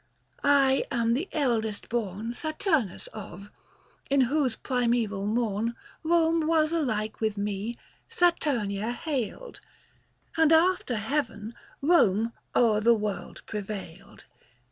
I am the eldest born Saturnus of ; in whose primaeval morn Home was, alike with me, Saturnia hailed. 35 And, after heaven, Rome o'er the world prevailed.